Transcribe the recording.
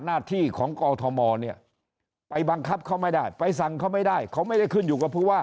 หน้าที่ของกอทมเนี่ยไปบังคับเขาไม่ได้ไปสั่งเขาไม่ได้เขาไม่ได้ขึ้นอยู่กับผู้ว่า